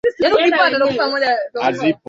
Gauni lake ni jipya